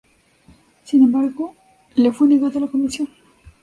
Sin embargo, le fue negada la comisión.